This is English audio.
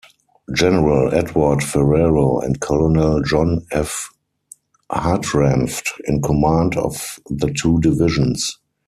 General Edward Ferrero and Colonel John F. Hartranft in command of the two divisions.